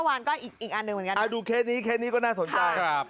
อะดูเคนี้เคนี้ก็น่าสนใจ